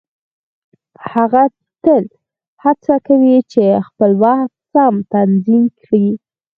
هغه تل هڅه کوي چې خپل وخت سم تنظيم کړي.